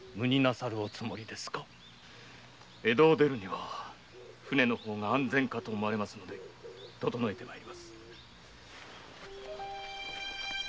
江戸を出るには舟の方が安全かと思われますので整えて参ります。